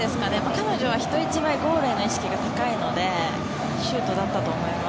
彼女は人一倍ゴールへの意識が高いのでシュートだったと思います。